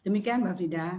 demikian mbak frida